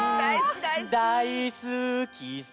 「だいすきさ」